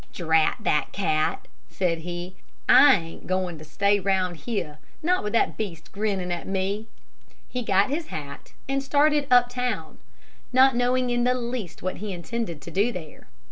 "Drat that cat!" said he. "I ain't goin' to stay round here not with that beast grinning at me." He got his hat and started up town, not knowing in the least what he intended to do there.